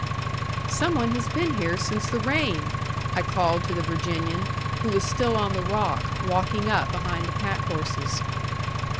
"Some one has been here since the rain," I called to the Virginian, who was still on the rock, walking up behind the packhorses.